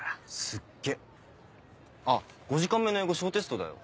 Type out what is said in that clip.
すっげぇあっ５時間目の英語小テストだよ。